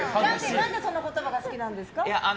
なんでその言葉が好きなんですか？